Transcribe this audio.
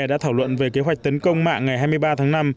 đã thảo luận về kế hoạch tấn công mạng ngày hai mươi ba tháng năm